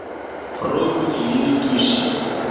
Provu ilin tuŝi!